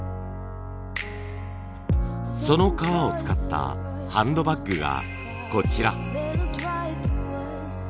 その革を使ったハンドバッグがこちら。